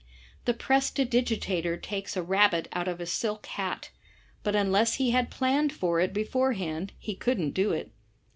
The prestidigitator takes a rabbit out of a silk hat, but unless he had planned for it be forehand he couldn^t do it.